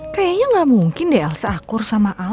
kayanya gak mungkin deh elsa akur sama al